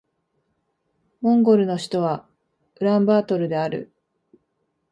モンゴルの首都はウランバートルである